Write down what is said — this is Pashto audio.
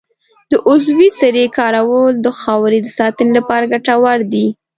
د عضوي سرې کارول د خاورې د ساتنې لپاره ګټور دي.